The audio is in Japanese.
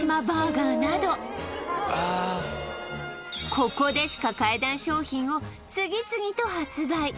ここでしか買えない商品を次々と発売！